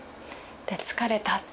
で「疲れた」って。